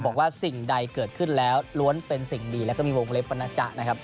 บอกว่าสิ่งใดเกิดขึ้นแล้วล้วนเป็นสิ่งดีแล้วก็มีโรงเรียกว่านาจะนะครับ